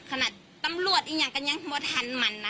ขนาดตำรวจอีกอย่างกันยังหัวทันมันนะ